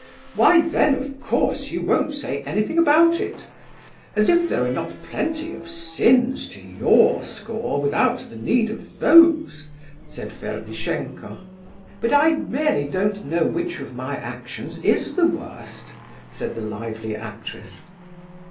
"Why, then of course, you won't say anything about it. As if there are not plenty of sins to your score without the need of those!" said Ferdishenko. "But I really don't know which of my actions is the worst," said the lively actress.